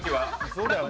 そうだよね。